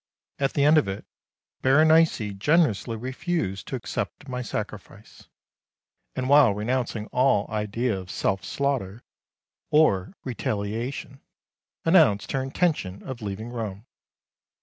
At the end of it, Berenice generously refused to accept my sacrifice, and while renouncing all idea of self slaughter or retaliation announced her intention of leaving Rome.